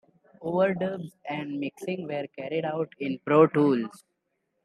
Overdubs and mixing were carried out in Pro Tools.